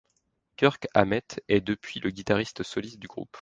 Kirk Hammett est depuis le guitariste soliste du groupe.